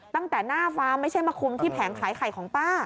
ตั้งแต่หน้าฟาร์มไม่ใช่มาคุมที่แผงขายไข่ของป้า